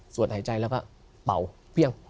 ส่วนหายใจแล้วก็เป่าเพียง